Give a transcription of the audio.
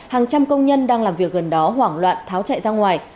hàng trăm công nhân đang làm việc gần đó hoảng loạn tháo chạy ra ngoài